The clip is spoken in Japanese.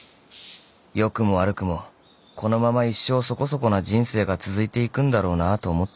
［良くも悪くもこのまま一生そこそこな人生が続いていくんだろうなと思っていた］